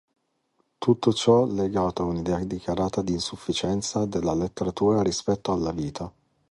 Tutto ciò legato a un'idea dichiarata di "insufficienza" della letteratura rispetto alla vita.